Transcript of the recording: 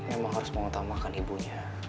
emang harus mengutamakan ibunya